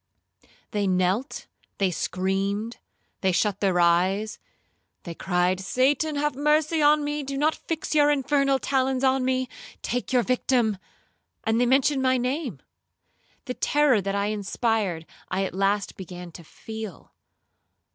They knelt,—they screamed,—they shut their eyes,—they cried, 'Satan have mercy on me,—do not fix your infernal talons on me,—take your victim,' and they mentioned my name. The terror that I inspired I at last began to feel.